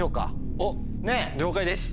おっ了解です。